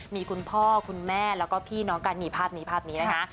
มีคุณพ่อคุณแม่แล้วก็พี่น้องกันนี่ภาพนี้ภาพนี้นะคะ